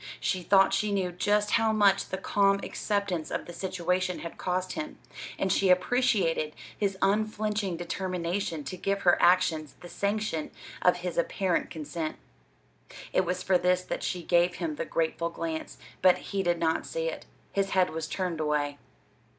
She thought she knew just how much the calm acceptance of the situation had cost him, and she appreciated his unflinching determination to give her actions the sanction of his apparent consent. It was for this that she gave him the grateful glance but he did not see it. His head was turned away.